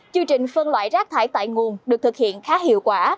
chương trình phân loại rác thải tại nguồn được thực hiện khá hiệu quả